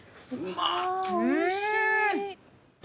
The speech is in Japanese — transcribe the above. おいしい。